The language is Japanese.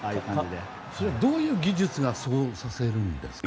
どういう技術がそうさせるんですか？